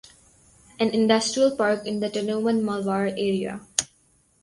An industrial park in the Tanauan-Malvar area.